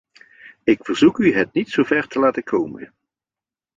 Ik verzoek u het niet zo ver te laten komen.